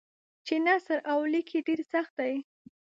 چې نثر او لیک یې ډېر سخت دی.